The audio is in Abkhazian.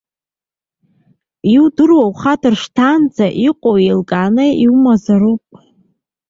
Иудыруа ухадыршҭаанӡа иҟоу еилкааны иумазароуп.